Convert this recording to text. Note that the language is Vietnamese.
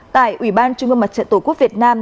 tại ubnd tổ quốc việt nam